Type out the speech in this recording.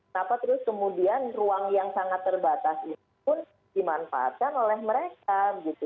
kenapa terus kemudian ruang yang sangat terbatas itu pun dimanfaatkan oleh mereka gitu